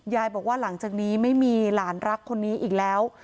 บอกว่าหลังจากนี้ไม่มีหลานรักคนนี้อีกแล้ว